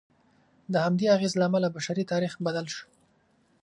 د همدې اغېز له امله بشري تاریخ بدل شو.